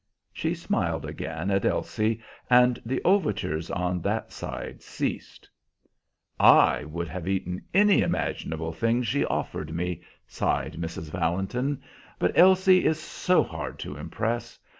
She smiled again at Elsie, and the overtures on that side ceased. "I would have eaten any imaginable thing she offered me," sighed Mrs. Valentin, "but Elsie is so hard to impress.